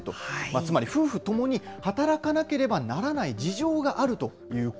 つまり夫婦共に働かなければならない事情があるという声。